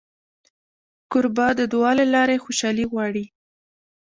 کوربه د دعا له لارې خوشالي غواړي.